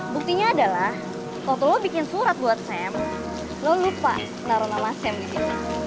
buktinya adalah waktu lo bikin surat buat sam lo lupa taruh nala sam di situ